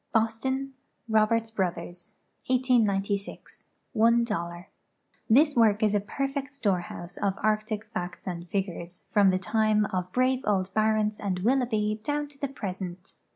Boston: Roberts Bros. 1890. $1.00. Tliis work is a perfect storehouse of arctic facts and figures, from the time of brave old Barents and 'Willoughby down to the present.